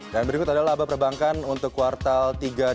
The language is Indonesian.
dan berikut adalah laba perbankan untuk kuartal tiga dua ribu delapan belas